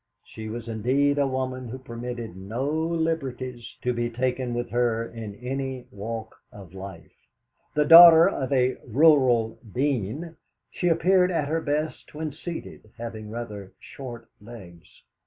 She was indeed a woman who permitted no liberties to be taken with her in any walk of life. The daughter of a Rural Dean, she appeared at her best when seated, having rather short legs.